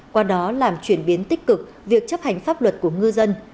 qua đó làm chuyển biến tích cực việc chấp hành pháp luật của ngư dân